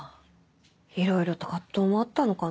いろいろと藤もあったのかな？